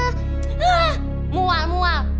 hah mual mual